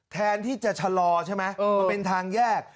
แทนที่จะชะลอใช่ไหมมันเป็นทางแยก